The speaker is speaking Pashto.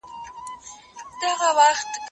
زه مځکي ته نه ګورم؟!